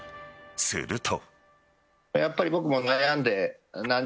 すると。